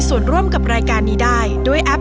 คุณล่ะโหลดหรือยัง